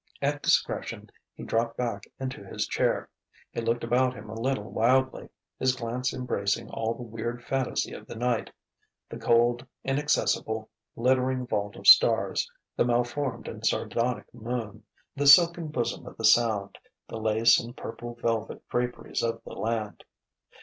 At discretion, he dropped back into his chair. He looked about him a little wildly, his glance embracing all the weird fantasy of the night: the cold, inaccessible, glittering vault of stars, the malformed and sardonic moon, the silken bosom of the Sound, the lace and purple velvet draperies of the land.